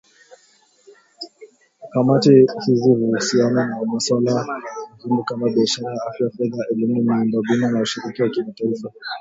Kamati hizi huhusiana na masuala muhimu kama biashara , afya , usalama , fedha , elimu , miundombinu na ushirikiano wa kimataifa